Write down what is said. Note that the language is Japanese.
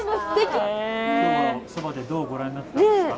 今日はそばでどうご覧になってたんですか？